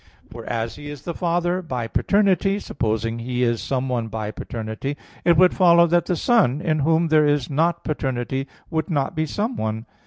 For as He is the Father by paternity, supposing He is some one by paternity, it would follow that the Son, in Whom there is not paternity, would not be "someone."